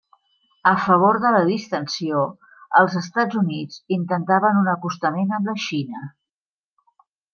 A favor de la distensió, els Estats Units intentaven un acostament amb la Xina.